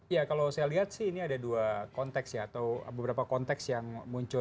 ya kalau saya lihat sih ini ada dua konteks ya atau beberapa konteks yang muncul